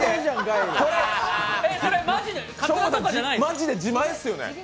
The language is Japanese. マジで自前っすよね？